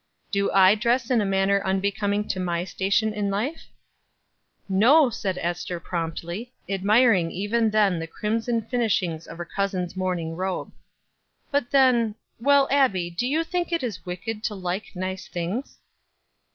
"Do I dress in a manner unbecoming to my station in life." "No," said Ester promptly, admiring even then the crimson finishings of her cousin's morning robe. "But then Well, Abbie, do you think it is wicked to like nice things?"